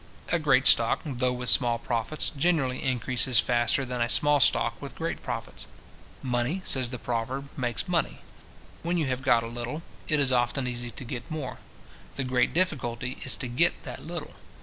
A great stock, though with small profits, generally increases faster than a small stock with great profits. Money, says the proverb, makes money. When you have got a little, it is often easy to get more. The great difficulty is to get that little.